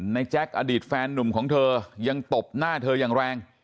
แจ๊คอดีตแฟนนุ่มของเธอยังตบหน้าเธออย่างแรง